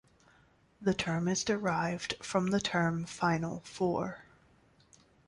The term is derived from the term Final four.